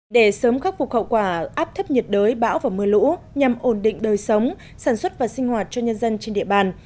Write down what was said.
để sớm khắc phục hậu quả áp thấp nhiệt đới bão và mưa lũ nhằm ổn định đời sống sản xuất và sinh hoạt cho nhân dân trên địa bàn